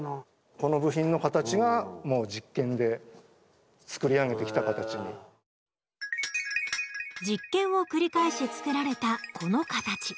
この部品の形が実験を繰り返し作られたこの形。